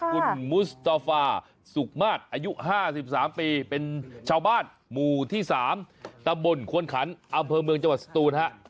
คุณมุสตาฟาสุขมาตรอายุ๕๓ปีเป็นชาวบ้านหมู่ที่๓ตำบลควนขันอำเภอเมืองจังหวัดสตูนฮะ